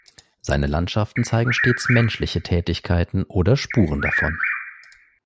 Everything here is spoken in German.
Seine Landschaften zeigen stets menschliche Tätigkeiten oder Spuren davon.